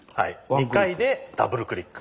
２回でダブルクリック。